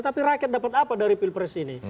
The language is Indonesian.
tapi rakyat dapat apa dari pilpres ini